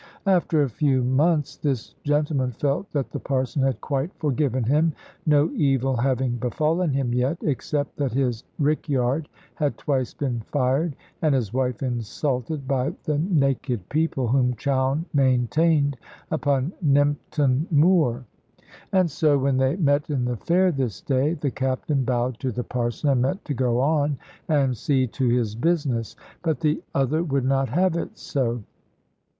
After a few months this gentleman felt that the Parson had quite forgiven him, no evil having befallen him yet, except that his rick yard had twice been fired, and his wife insulted by the naked people whom Chowne maintained upon Nympton Moor. And so, when they met in the fair this day, the Captain bowed to the Parson, and meant to go on and see to his business. But the other would not have it so.